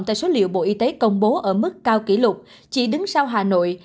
theo số liệu bộ y tế công bố ở mức cao kỷ lục chỉ đứng sau hà nội